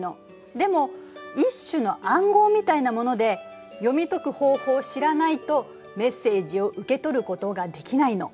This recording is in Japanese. でも一種の暗号みたいなもので読み解く方法を知らないとメッセージを受け取ることができないの。